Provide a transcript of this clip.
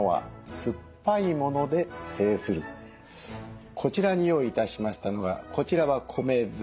それはこちらに用意致しましたのがこちらは米酢。